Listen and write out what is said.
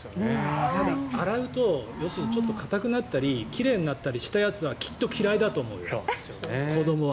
洗うと要するに硬くなったり奇麗になったりしたやつはきっと嫌いだと思うよ子どもは。